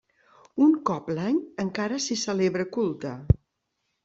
Un cop l'any encara s'hi celebra culte.